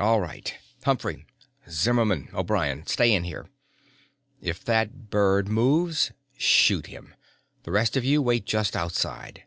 "All right! Humphrey, Zimmermann, O'Brien, stay in here. If that bird moves shoot him. The rest of you wait just outside."